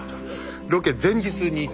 ロケ前日に行った。